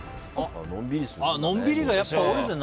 のんびりがやっぱり多いですね。